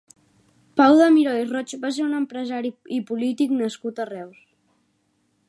Pau de Miró i Roig va ser un empresari i polític nascut a Reus.